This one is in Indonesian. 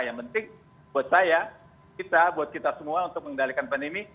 yang penting buat saya kita buat kita semua untuk mengendalikan pandemi